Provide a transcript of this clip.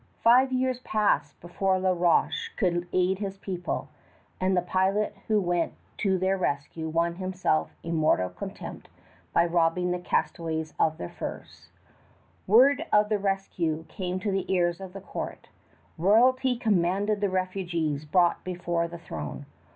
Five years passed before La Roche could aid his people; and the pilot who went to their rescue won himself immortal contempt by robbing the castaways of their furs. Word of the rescue came to the ears of the court. Royalty commanded the refugees brought before the throne.